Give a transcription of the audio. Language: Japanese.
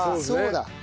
そうだ。